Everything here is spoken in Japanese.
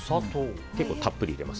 結構たっぷり入れます。